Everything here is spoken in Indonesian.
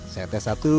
saya tes satu